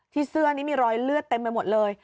เสื้อนี้มีรอยเลือดเต็มไปหมดเลย